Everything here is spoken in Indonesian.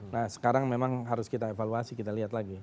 nah sekarang memang harus kita evaluasi kita lihat lagi